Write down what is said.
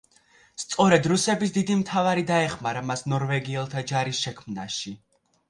სწორედ რუსების დიდი მთავარი დაეხმარა მას ნორვეგიელთა ჯარის შექმნაში.